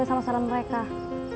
aku mau ke rumah